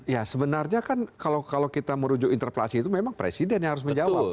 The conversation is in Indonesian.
ya sebenarnya kan kalau kita merujuk interpelasi itu memang presiden yang harus menjawab